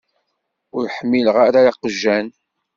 Ur ḥmileɣ ara iqjan.